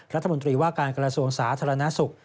รัฐมนตรีว่าการกระทรวงสาธารณสุข